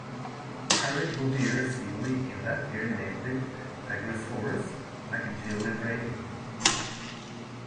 Harry Govier Seeley in that year named it "Agrosaurus macgillivrayi".